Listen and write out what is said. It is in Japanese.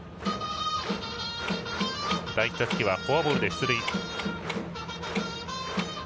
第１打席はフォアボールで出塁。